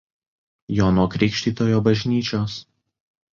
Jono Krikštytojo bažnyčios.